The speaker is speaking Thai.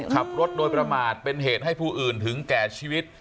ขับรถโดยประมาทเป็นเหตุให้ผู้อื่นถึงแก่ชีวิต